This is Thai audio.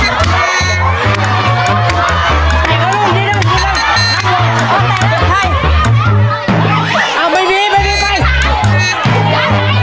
ไปไปไปเลย